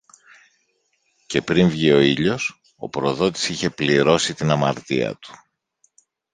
Και πριν βγει ο ήλιος, ο προδότης είχε πληρώσει την αμαρτία του.